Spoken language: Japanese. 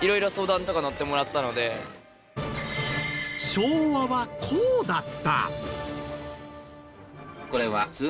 昭和はこうだった。